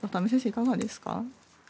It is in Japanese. いかがですか。